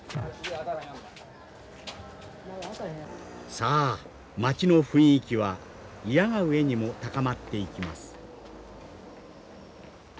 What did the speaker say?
さあ町の雰囲気はいやが上にも高まっていきます。